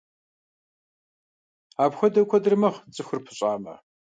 Апхуэдэу куэдрэ мэхъу, цӀыхур пӀыщӀамэ.